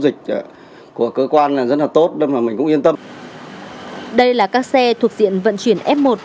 dịch của cơ quan là rất là tốt đâu mà mình cũng yên tâm đây là các xe thuộc diện vận chuyển f một